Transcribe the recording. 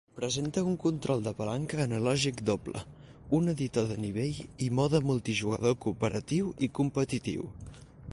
Presenta un control de palanca analògic doble, un editor de nivell i mode multijugador cooperatiu i competitiu.